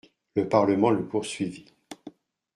Le Parlement le poursuivit.